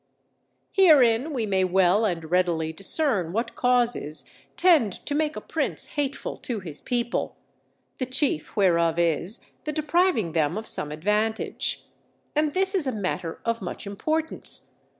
Herein we may well and readily discern what causes tend to make a prince hateful to his people; the chief whereof is the depriving them of some advantage. And this is a matter of much importance.